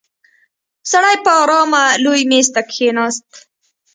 سړی په آرامه لوی مېز ته کېناست.